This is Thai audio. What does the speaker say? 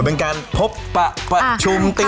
เป็นการพบประชุมติวนั่งสือ